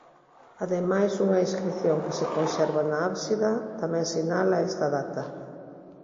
Ademais unha inscrición que se conserva na ábsida tamén sinala esta data.